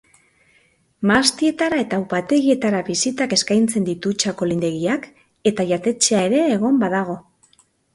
Mahastietara eta upategietara bisitak eskaintzen ditu txakolindegiak eta jatetxea ere egon badago.